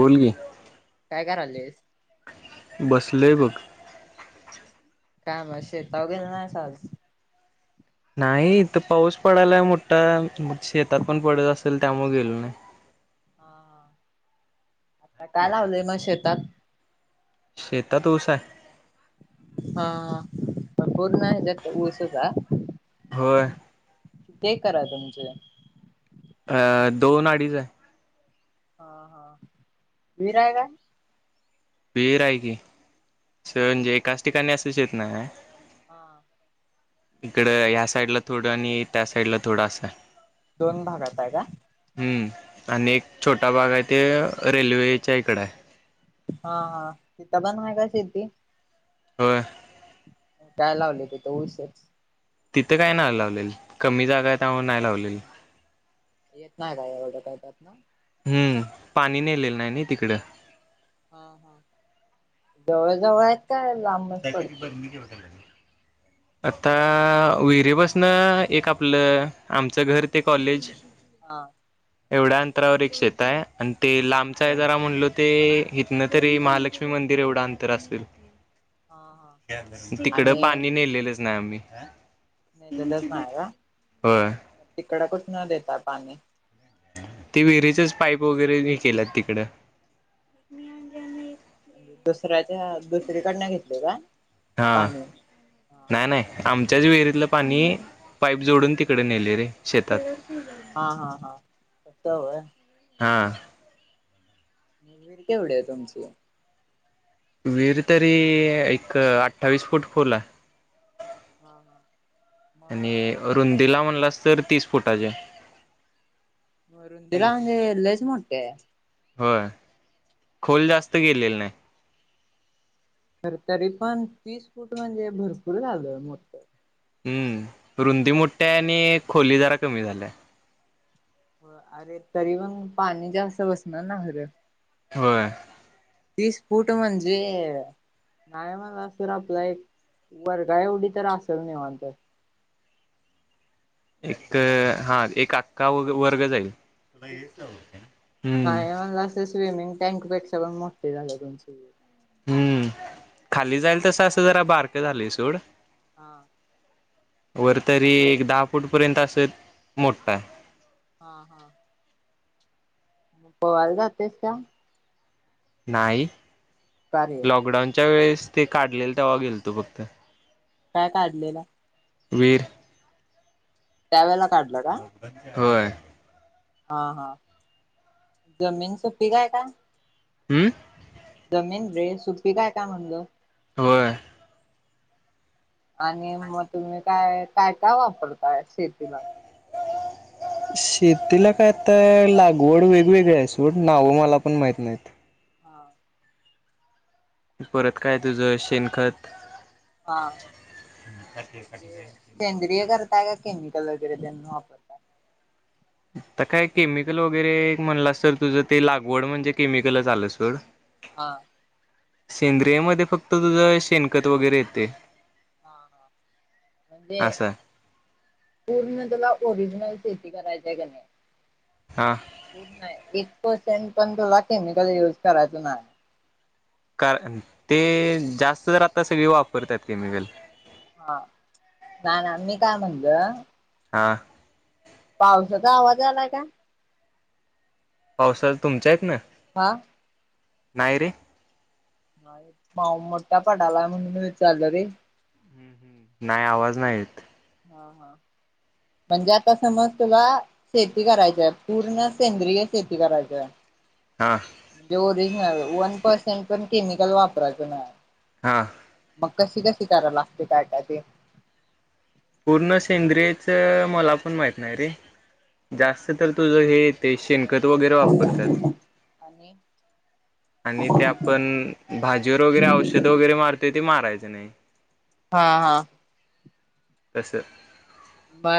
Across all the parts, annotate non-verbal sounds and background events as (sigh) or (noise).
बोलगी लेस बसलेैवघ का म शतावघेल नाही साज नाही इथ पाऊस पडायला मोठा शेतात पण पडत असेल त्यामुळे गेलो नाही हा आता काय लावलंय मग शेतात ेता तूस आहे हा पूर्ण त्यातत ऊस होता होय ते करा त म्हमचे अ दोन अडीच आहे हा हा मीर आहे का विहीर आहे की स म्हणजे काच ठिकाणी असूच येत ना हा इकडं ह्या साइड ला थोडं आणि त्या साइड ला थोडं असं आहे दोन भागात आहे का हम्म आणि एक छोटा भाग आहे ते रेल्वेच्या इकड आहे हा हा तिथ बन माय कशी ती हो काय लावले ते त उशच तिथं काय नाही लावलेल कमी जागा त्यामुळे नाही लावलेल येत नाही काय यावं कायतत ना हम्म पाणी नेलेलं नाही ना तिकडं हा हा जवळ जवळ आहेत काय लांबच पडते ह आता विहिरे बसनं एक आपलं आमचं घर ते कॉलेज हा एवढ्या अंतरावर एक शेत आहे आणि ते लांबचा आहे जरा म्हणलो ते हथन तरी महालक्ष्मी म मंदिर एवढं अंतर असेल हा हा तिकडं आणि पाणी नेलेलंच ना आम्ही नाही दस नाय होय का तिकडा कुछ न देता पाणी ते विहिरीचच पाईप वगैरे केलंत तिकडं दुसऱ्याच्या दुसरीकडन घेतले का पाणी ह ह. त्याच्याच विहिरीतलं पाणी पाईप जोडून तिकडे नेले रे शेतात. हा हा अत वय. हां म वीर केवडीय तुमची? विर तरी एक अठ्ठावीस फूट खोल हाय. हा हा. आणि मग रुंदीला म्हणलास तर तीस फुटाचे रुंदीला म्हणजे लयच मोठीये. होय खोल जास्त गेलेले नाही. तर तरी पण तीस फूट म्हणजे भरपूर झालय मोठं. हम्म रुंदी मोठ्या आणि खोली जरा कमी झालाया. हो अरे तरी पण पाणी जास्त बसणार ना खरं. होय. तीस पूट म्हणजे नाही मला तरर आपलं एक वर्गा एवढी तर असेल निवांत. एक हा एक अक्का व वर्ग जाईल. तेच की हम्म नाही म्हणला तर. स्विमिंग टँकपेक्षा पण मोठ झालं तुमचं हे हम्म.... खाली जाईल त सास जरा बारक झालेय सोड- हां. वर तरी एक दहा फूट पर्यंत असत मोठठा- हा- हा पवाल जा तेस का (unintelligible) नाही का रे लॉकडाऊनच्या वेळेस ते काढलेल तेव्हा गेल तू फक्त, काय काढलेलं? वेर (inaudible) त्यावेेळेला काढलं का? होय, हां हां जमीन सुपीक आहे का? हम्म, रे सुट्टी काय काय म्हणलं? होय. आणि मग तुम्ही काय काय काय वापरताय शेतीला? शेतीला काय आता लागवड वेगवेगळी आहेस व्हय, नावं मला पण माहित नाहीत. हा, परत काय तुझं शेनखत, हा म्हणजे सेंद्रिय (unintelligible) करताय केमिकल वगैरे त्यांन वापरता. तर काय केमिकल वगैरे म्हणलं अस तर तुझं ते लागवड म्हणजे केमिकलच आलं सोड हा... सेंद्रिय मध्ये फक्त तुझं शेणकत वगैरे येते. ह हम्म हणजे ते असं पूर्ण तुला ओरिजिनल शेती करायच्या का नाही? हा. पूण नाय एक प पण तुला केमिकल युज करायच नाही, कार ते जास्त तर आता सगळी वापरतात केमिकल, हां ना ना मी काय म्हणलं? हां... पावसाचा आवाज आलाय का? पावसाळ तुमच्या आहेत ना. ह... नाहीय रे, भाऊ मोठा पडाला म्हणून विचारलं रे? नाही आवाज नाहीे येत. हा -हा म्हणजे आता समज तुला शेती करायचय, पूर्ण सेंद्रिय शेती करायचय हा म्हणजे ओरिजनल वन पर्सेंट पण केमिकल वापरायचं नाही. हा. मग कशी कशी करायला लागते काय काय ते पूर्ण सेंद्रियच मला पण माहित नाही रे. जास्त तर तुझं हे ते शेणकत वगैरे वापरतात. आणि आणि ते आपण भाजीवर वगैरे औषध वगैरे मारतोय ते मारायच. (unintelligible) हा -हा असं म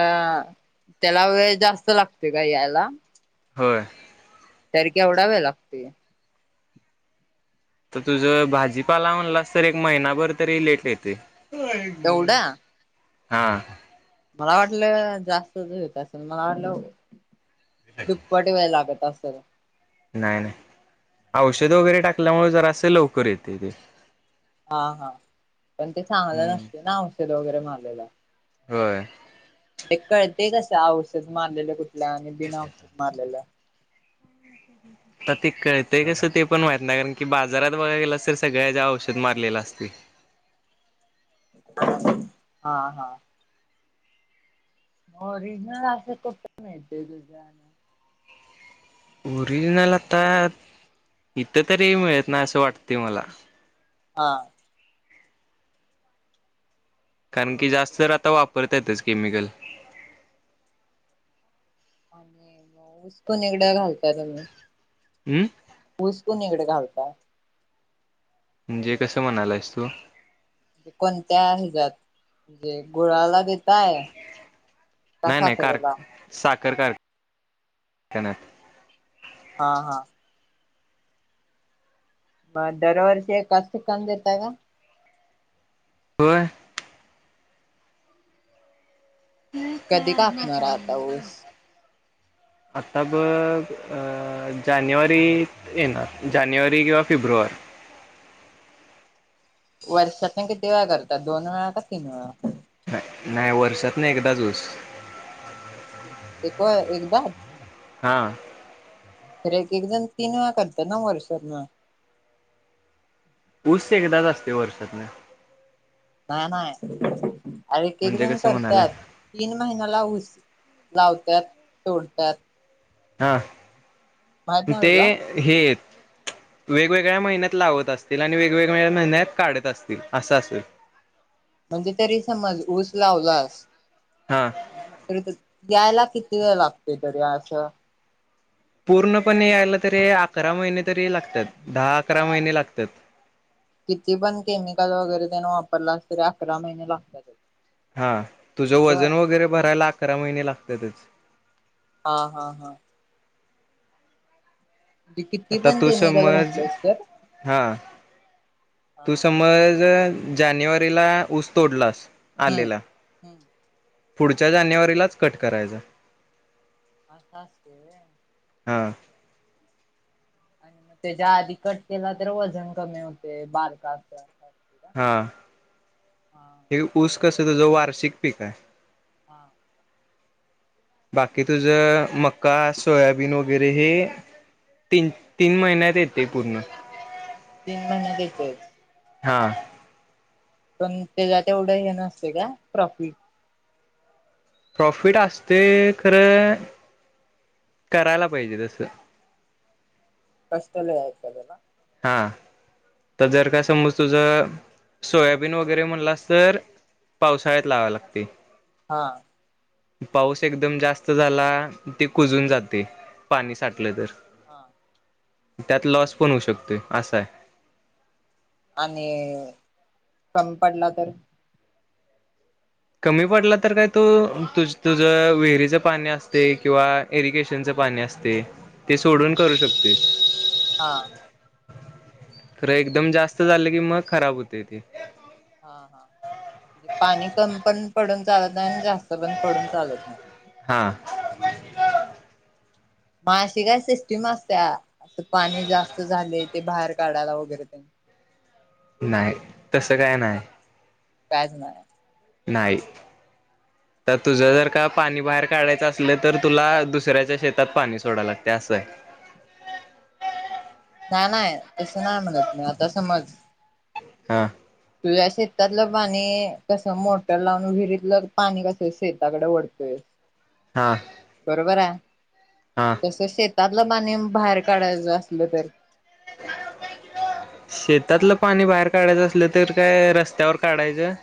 त्याला वेळ जास्त लागते का यायला? होय. तरी केवढा वेळ लागतोय? तर तुझ भाजीपाला म्हणलास तर एक महिनाभर तरी लेट येतय. एवढं हा. मला वाटलं जास्तच होेत असेल मला वाटलं दुप्पटी व्हाय लागत. तस. नाही नाही औषध वगैरे टाकल्यामुळे जरा असं लवकर येते ते. हा हा पण ते चांगलं हम्म. नसते ना औषध वगैरे मलेला. होय. ते कळते कसं औषध मारलेलं कुठल्या आणि बिनऔषध मारलेलं. तर ते कळतय कसं ते पण माहित नाही कारण की बाजारात बघा गेलं तर सगळ्या ज्या औषध मारलेलं असते. (inaudible) हा हा. ओरिजनल त म दुझ. ओरिजनल आता इथं तरी मिळत ना असं वाटते मला. हा. कारण की जास्त तर आता वापरत यातच केमिकल. आणि मग ऊस कुणीकड घालता तुम्ही. उम ऊस कुणीकडे घालता. म्हणजे कसं म्हणायला आहेस तू? म्हणे कोणत्या हजत म्हणजे गुळालागेत.. नाही नाही कार साखर कार न्यात हा हा. म दरवर्षी कस कन येत का? हो. कधी कापणार आता ऊस? (inaudible) आता ब जानेवारीत येणार जानेवारी किंवा फेब्रुवारी. (inaudible) वर्षात ना किती व करतात दोन वेळा का तीन वेळा? नाही वर्षात नाही एकदाच् ऊस. एक एकदा. हा. तरर एक एकदण तीन वेळा करतात ना वरसवरन. ऊस एकदाच असते वर्षातन. नाही नाही एक एक म्हणजे जण कसं म्हणालाय करतात तीन महिन्या ला होऊस. लावतत तोडतत. हा ते हे य.. ह. वेगवेगळ्या महिन्यात लावत असतील आणि वेगवेगळ्या महिन्यात काढत असतील असं असेल. म्हणजे तरी समज ऊस लावलास हा त.. यायला किती वेळ लागते तरी असं. पूर्णपणे यायला तरी अकरा महिने तरी लागतात दहा अकरा महिने लागतात. किती पण केमिकल वगैरे त्यांने वापरला अस तरी अकरा महिने लागत. हा तुझं वजन वगैरे भरायला अकरा महिने लागतातच. हा हा हा. म्हणजे किती आता पण तू स केमिकल मज घातलेस तर हा.. हा तू समज जानेवारीला ऊस तोडलास.. हम्म आलेला हम्म. पुढच्या जानेवारीलाच कट करायचा ह सस्ते हा आणि मग त्याच्या आधी कट केला तर वजन कमी होते बालकाचा हा हा हे ऊस कस त ज वार्षिक पीक आहे हा बाकी तुझ मक्का सोयाबीन वगैरे हे तीन तीन महिन्यात येते पूर्ण तीन महिना घेतय हा पण त्याच्या तेवढं हे नसते का प्रॉफिट प्रॉफिट असते खरं करायला पाहिजे तस कष्टले आयतदला हा तर जर का समज तुझ सोयाबीन वगैरे म्हणलास तर पावसाळ्यात लावा लागते हा पाऊस एकदम जास्त झाला ते कुजून जात ते हा पाणी साठलं तर हा त्यात लॉस पण होऊ शकतोय असाय आणि संम पडला तर कमी पडला तर काय तू तुझ विहिरीचं पाणी असते किंवा इरिगेशनच पाणी असते हा ते सोडून करू शकते हा तर एकदम जास्त झालं की मग खराब होते ते हा हा पाणी कम पण पडून चालत नाही आणि जास्त पण पडून चालत नाही हा मासिका सिष्टी मासा अस पाणी जास्त झाले ते बाहेर काढायला वगैरे त्यांनी नाही तसं काय नाही कायच ना नाही. तर तुझं जर का पाणी बाहेर काढायचं असलं तर तुला दुसऱ्याच्या शेतात पाणी सोडाव लागतयं. असंयं. नाही नाही तसं नाही म्हणत मी आता समज- - ह. तुझ्या शेतातलं पाणी कस मोटर लावून विहिरीतल पाणी कसं शेताकडे वढतोयस. हा बरोबर हाय? हा तस शेतात तल पाणी बाहेर काढायचं असल तर? शेतातलं पाणी बाहेर काढायचं असलं तर काय रस्त्यावर काढायचं.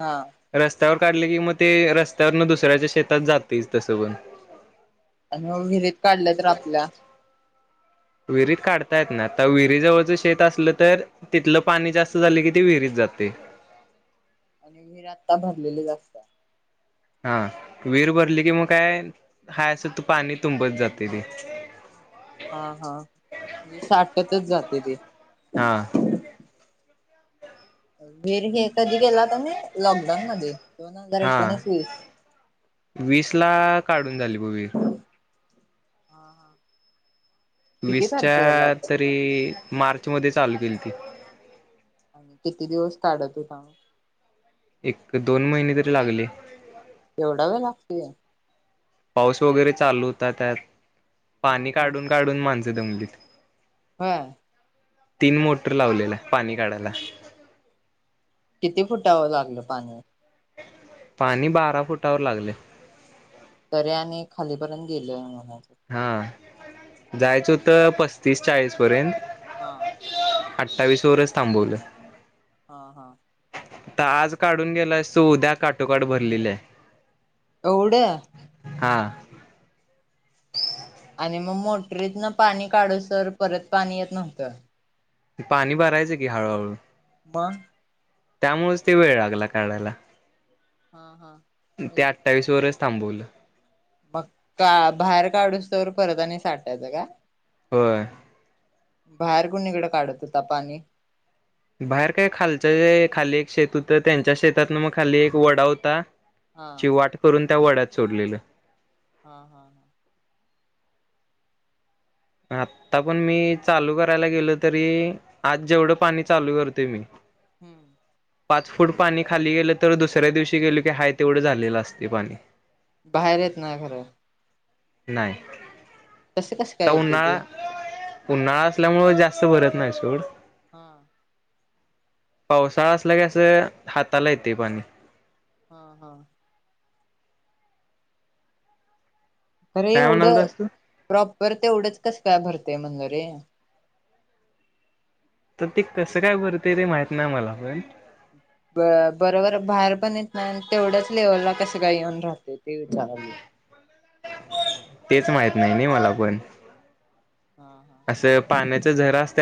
हा रस्त्यावर - - काढल की मग ते रस्त्यावरन दुसऱ्याच्या शेतात जातयचं तस पण. आणि मग विहिरीत काढल्या तर आपल्या? विहिरीत काढतायेत नाही आता विहिरी जवळच शेत असलं तर तिथलं पाणी जास्त झालं की ती विहिरीत जातयं. आणि विहीर आत्ता भरलेले जास्त हाय. हा वीर भरली की मग काय हाय असं तू पाणी तुंबत जातेयं ते. हा, हा. म्हजे साठतच जातयं ते. हा. (unintelligible) हे कधी गेला होता ने लॉकडाऊन मध्ये दोन हजार हा एकोणीस वीस वीस ला काढून झाली ब विहीर. हा, हां. वीसच्या तरी मार्च मध्ये चालु केली ती. किती दिवस काढत होता म? एक, दोन महिने तरी लागले. एवढा वेळ लागतोय? पाऊस वगैरे चालु होता. त्यात हा पाणी हा काढून काढून माणसं दंमलीत. होय. तीन मोटर लावलेल्या पाणी काढायला. किती फुटांवर लागलं पाणी? पाणी बारा फुटावर लागलं. तरी आणि खालीपर्यंत गेलं म्हणे हा. जायचं होत पस्तीस चाळीस पर्यंत हां. अठ्ठावीस वरच थांबवलं. हा, हा. आता आज काढुन गेलायस तु उद्या काटोकाठ भरलेली हाय. एवढं - आणि मग मोटरीत न पाणी काढुसतोवर परत पाणी येत नव्हतं. पाणी भरायचं की हळूहळू मग. त्यामुळेच ते वेळ लागला काढायला. हा, हां. ते अठ्ठावीस वरच थांबवलं. मग का बाहेर काढुस तोवर परत आनी साठायचं काय? होय. बाहेर कुणीकड काढत होता पाणी? बाहेर काय खालच्या, खाली एक शेत होतं त्यांच्या शेतात ना मग खाली एक ओढ होता- हा - ची वाट करून त्या ओढ्यात सोडलेलं. हा, हा, हा. आता पण मी चालू करायला गेलो तरी आज जेवढं पाणी चालु करते मी हम्म पाच फुट पाणी खाली गेलं तर दुसऱ्या दिवशी गेलो की हाय तेवढं झालेलं असते पाणी- बाहेर येत ना खरं- नाही तसे कसं आता काय येत उन्हाळा ते- उन्हाळा असल्यामुळे जास्त भरत नाही सोड (inaudible) हा पावसाळा असला कीं असं हाताला येते पाणी हा हा अरे काय एवढं म्हणालतास तू प्रॉपर ते एवढंच कसं काय भरतेय म्हणलं रे- तर ते कसं काय भरते ते माहित ना मला पण ब बरोबर बाहेर पण येत नाही तेवढ्याच लेव्हलला कसं काय येऊन राहते. ते ांगली (inaudible) तेच नाही माहित नाही मला पण- हा हा. असं पाण्याचा झरा असत